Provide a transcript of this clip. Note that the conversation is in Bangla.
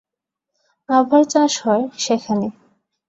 আবার চাষ হয় সেখানে।